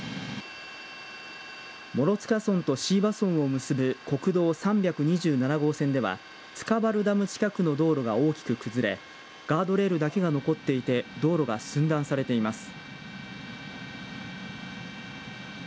諸塚村と椎葉村を結ぶ国道３２７号線では塚原ダム近くの道路が大きく崩れガードレールだけが残っていて道路が寸断されています。